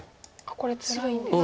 これつらいんですか。